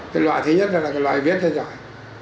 cái loại thứ nhất là cái loại viết ra giỏi